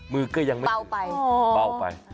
มือก็ยังเปล่าไป